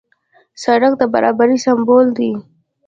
سړک د برابرۍ سمبول دی.